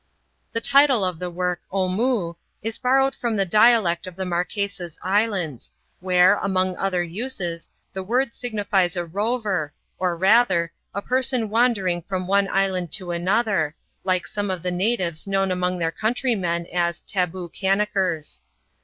The title of the work — Omoo — is borrowed from the dialect of the Marquesas Islands, where, among other uses, the word signifies a rover, or rather, a person wandering from one island to another, like some of the natives known among their country men as " Taboo kannakers."